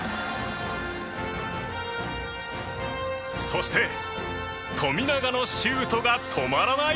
そして、富永のシュートが止まらない！